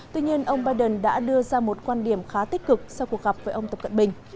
tuy nhiên ông biden đã đưa ra một quan điểm khá tích cực sau cuộc gặp với ông tập cận bình